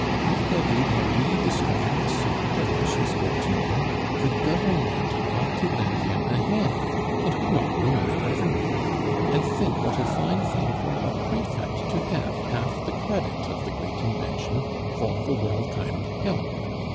If David had really discovered the secret of which he spoke to me, the Government ought to lend him a hand, it would not ruin the Government; and think what a fine thing for a prefect to have half the credit of the great invention for the well timed help.